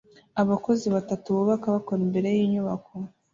Abakozi batatu bubaka bakora imbere yinyubako